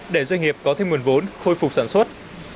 để doanh nghiệp có thêm nguồn vốn khôi phục sản xuất